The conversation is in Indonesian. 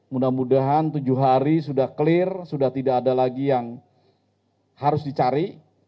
mudah mudahan tujuh hari sudah clear sudah tidak ada lagi yang harus dicari